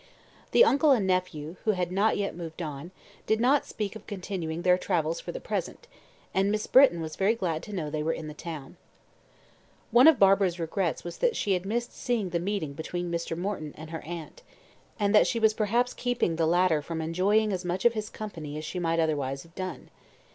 The uncle and nephew, who had not yet moved on, did not speak of continuing their travels for the present, and Miss Britton was very glad to know they were in the town. One of Barbara's regrets was that she had missed seeing the meeting between Mr. Morton and her aunt, and that she was perhaps keeping the latter from enjoying as much of his company as she might otherwise have done.